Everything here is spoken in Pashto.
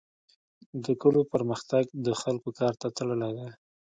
د کلو پرمختګ د خلکو کار ته تړلی دی.